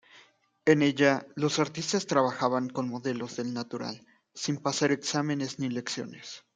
En ella, los artistas trabajaban con modelos del natural, sin pasar exámenes ni lecciones.